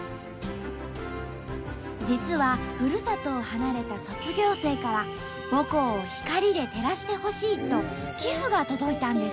実はふるさとを離れた卒業生から母校を光で照らしてほしいと寄付が届いたんです。